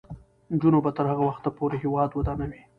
نجونې به تر هغه وخته پورې هیواد ودانوي.